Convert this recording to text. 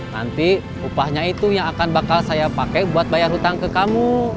nanti upahnya itu yang akan bakal saya pakai buat bayar hutang ke kamu